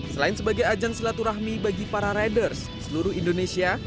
selain sebagai ajang silaturahmi bagi para riders di seluruh indonesia